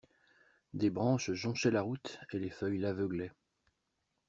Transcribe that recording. Des branches jonchaient la route et les feuilles l’aveuglaient.